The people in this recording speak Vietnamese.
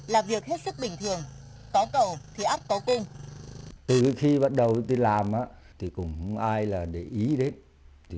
là việc hết sức bình thường có cầu thì áp có cung từ khi bắt đầu đi làm thì cũng ai là để ý đến thì